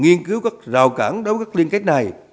nghiên cứu các rào cản đối với các liên kết này